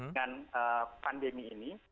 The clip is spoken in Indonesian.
dengan pandemi ini